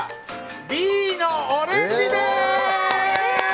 Ｂのオレンジです！